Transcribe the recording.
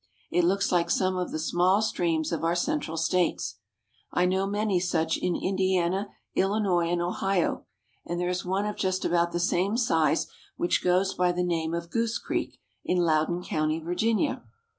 It looks like some of the small streams of our central states. I know many such in Indiana, Illinois, and Ohio, and there is one of just about the same size which goes by the name of Goose Creek in Loudoun County, Virginia.